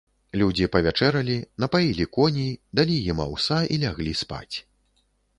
Людзі павячэралі, напаілі коней, далі ім аўса і ляглі спаць.